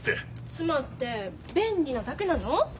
妻って便利なだけなの？